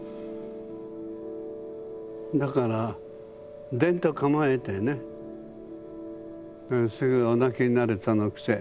だからデンと構えてねすぐお泣きになるその癖。